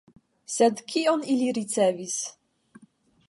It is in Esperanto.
Sed kion ili ricevis?